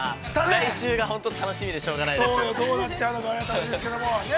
来週が本当に楽しみでしょうがないですね。